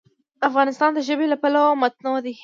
افغانستان د ژبې له پلوه متنوع دی.